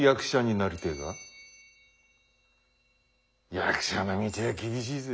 役者の道は厳しいぜ？